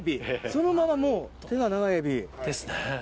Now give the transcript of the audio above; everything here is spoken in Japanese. そのままもう手が長いエビ。ですね。